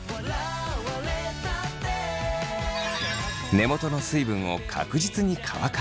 根元の水分を確実に乾かす。